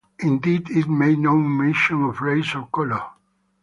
Indeed, it made no mention of race or colour.